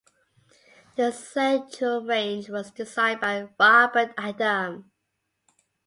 The central range was designed by Robert Adam.